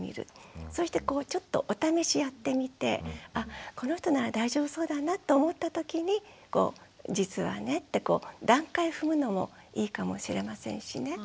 そしてこうちょっとお試しやってみてあこの人なら大丈夫そうだなって思ったときに実はねってこう段階踏むのもいいかもしれませんしね。